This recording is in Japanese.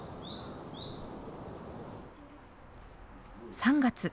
３月。